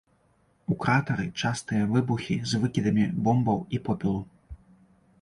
У кратары частыя выбухі з выкідамі бомбаў і попелу.